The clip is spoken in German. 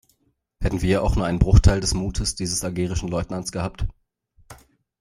Hätten wir auch nur einen Bruchteil des Mutes dieses algerischen Leutnants gehabt?